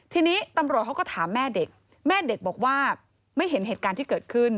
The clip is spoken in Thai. ทีนี้ตำรวจเขาก็ถามแม่เด็กแม่เด็กบอกว่าไม่เห็นเหตุการณ์ที่เกิดขึ้น